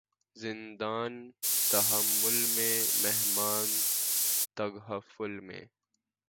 زندانِ تحمل میں مہمانِ تغافل ہیں